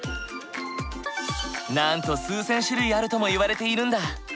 なんと数千種類あるともいわれているんだ。